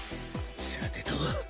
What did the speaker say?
さてと。